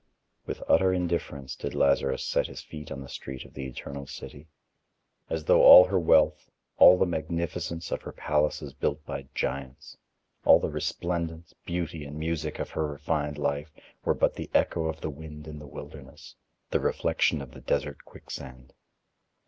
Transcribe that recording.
With utter indifference did Lazarus set his feet on the street of the eternal city. As though all her wealth, all the magnificence of her palaces built by giants, all the resplendence, beauty, and music of her refined life were but the echo of the wind in the wilderness, the reflection of the desert quicksand.